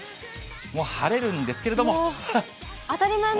もう晴れるんですけれども。